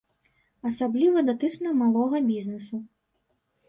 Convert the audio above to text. Асабліва датычна малога бізнесу.